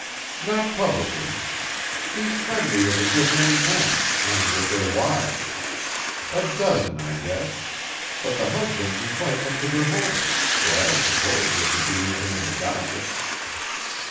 "Not publicly. He's friendly with a good many men and with their wives. A dozen, I guess; but the husbands invite him to their homes, so I don't suppose there could be anything in the gossip.